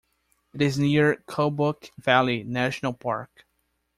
It is near Kobuk Valley National Park.